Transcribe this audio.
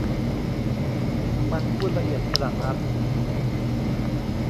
มันพูดละเอียดขนาดนั้น